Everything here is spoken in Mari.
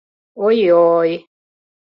Ой-йой....